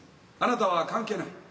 あなたは関係ない。